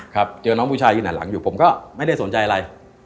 ครับเจอน้องผู้ชายยืนหันหลังอยู่ผมก็ไม่ได้สนใจอะไร